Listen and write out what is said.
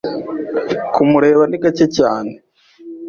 kumureba ni gake cyane